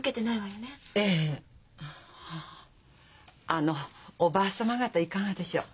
あのおばあ様方いかがでしょう？